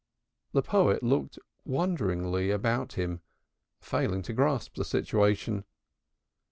The poet looked wonderingly about him, failing to grasp the situation.